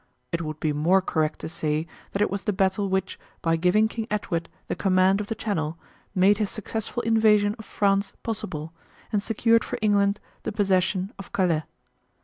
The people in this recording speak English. It would be more correct to say that it was the battle which, by giving King Edward the command of the Channel, made his successful invasion of France possible, and secured for England the possession of Calais.